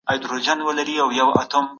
روښانه فکر روغتیا نه کموي.